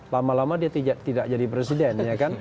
lama lama dia tidak jadi presiden ya kan